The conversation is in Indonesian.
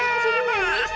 papa kenapa sih